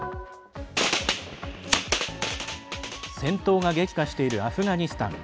戦闘が激化しているアフガニスタン。